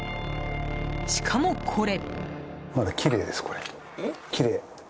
しかも、これ。